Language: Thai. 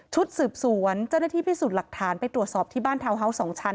สืบสวนเจ้าหน้าที่พิสูจน์หลักฐานไปตรวจสอบที่บ้านทาวนเฮาวส์๒ชั้น